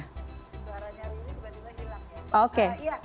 suaranya riri kebetulan hilang ya